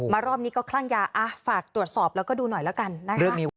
รอบนี้ก็คลั่งยาฝากตรวจสอบแล้วก็ดูหน่อยแล้วกันนะคะ